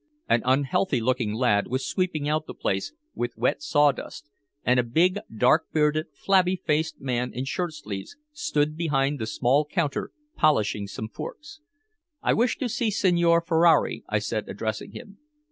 An unhealthy looking lad was sweeping out the place with wet saw dust, and a big, dark bearded, flabby faced man in shirt sleeves stood behind the small counter polishing some forks. "I wish to see Signor Ferrari," I said, addressing him.